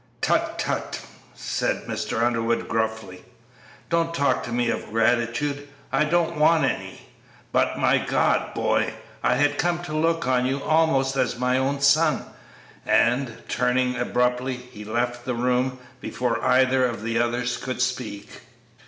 "Tut! tut!" said Mr. Underwood, gruffly; "don't talk to me of gratitude; I don't want any; but, my God! boy, I had come to look on you almost as my own son!" And, turning abruptly, he left the room before either of the others could speak.